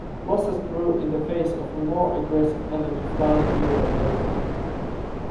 Losses grew in the face of a more aggressive enemy flying newer aircraft.